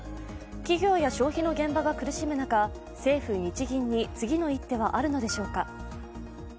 企業や消費の現場が苦しむ中、政府・日銀に次の一手はあるのでしょうか。